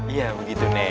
iya begitu nek